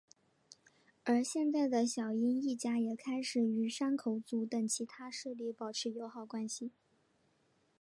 而现在的小樱一家也开始与山口组等其他势力保持友好关系。